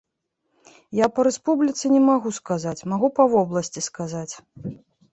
Я па рэспубліцы не магу сказаць, магу па вобласці сказаць.